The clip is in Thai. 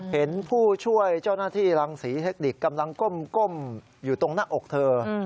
เห็นผู้ช่วยเจ้าหน้าที่รังศรีเทคนิคกำลังก้มอยู่ตรงหน้าอกเธอ